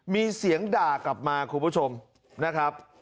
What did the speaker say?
มีเสียงด่ากลับมาคุณผู้ชมนะครับ